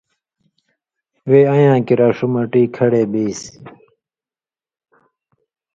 وے اَین٘یاں کریا ݜُو مٹی کھڑے بیسیۡ